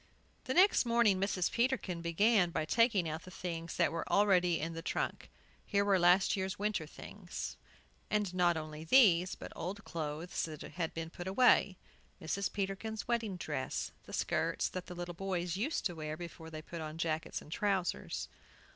The next morning Mrs. Peterkin began by taking out the things that were already in the trunk. Here were last year's winter things, and not only these, but old clothes that had been put away, Mrs. Peterkin's wedding dress; the skirts the little boys used to wear before they put on jackets and trousers.